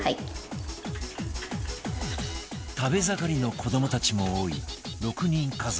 食べ盛りの子どもたちも多い６人家族